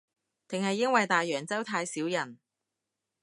定係因為大洋洲太少人